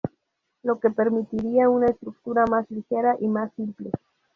Lo que permitiría una estructura más ligera y más simple.